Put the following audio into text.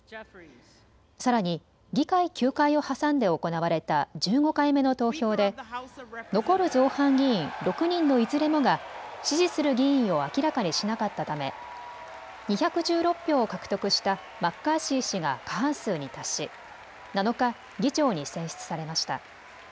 さらに議会休会を挟んで行われた１５回目の投票で残る造反議員６人のいずれもが支持する議員を明らかにしなかったため２１６票を獲得したマッカーシー氏が過半数に達し７日、議長に選出されました。